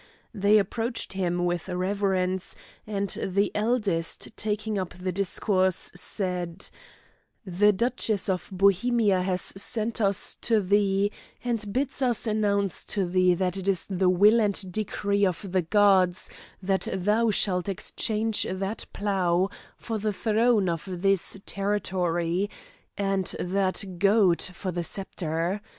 They approached him with reverence, and the eldest taking up the discourse said: "The Duchess of Bohemia has sent us to thee, and bids us announce to thee that it is the will and decree of the gods that thou shalt exchange that plough for the throne of this territory, and that goad for the sceptre.